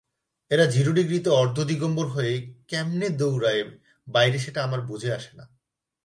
এরা জিরো ডিগ্রীতে অর্ধ দিগম্বর হয়ে কেমনে দৌড়ায় বাইরে সেটা আমার বুঝে আসেনা।